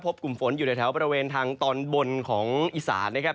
กลุ่มฝนอยู่ในแถวบริเวณทางตอนบนของอีสานนะครับ